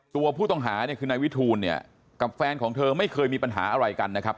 ตัวผู้ต้องหาเนี่ยคือนายวิทูลเนี่ยกับแฟนของเธอไม่เคยมีปัญหาอะไรกันนะครับ